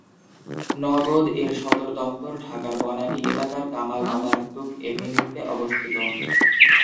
নগদ-এর সদর দফতর ঢাকার বনানী এলাকার কামাল আতাতুর্ক এভিনিউতে অবস্থিত।